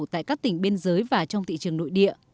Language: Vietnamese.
tại các tỉnh biên giới và trong thị trường nội địa